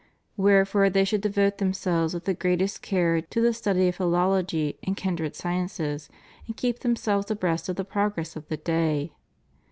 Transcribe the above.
Wherefore they should devote themselves with the greatest care to the study of philology and kindred sci ences and keep themselves abreast of the progress of the day.